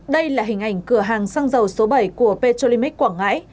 đây là hình ảnh cửa hàng xăng dầu số bảy của petrolimic quảng ngãi